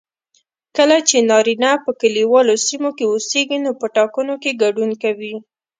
کله چې نارینه په کليوالو سیمو کې اوسیږي نو په ټاکنو کې ګډون کوي